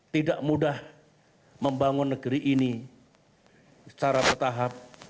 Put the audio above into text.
tidak mudah membangun negeri ini secara bertahap